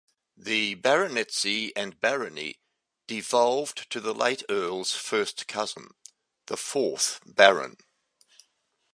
The baronetcy and barony devolved to the late Earl's first cousin, the fourth Baron.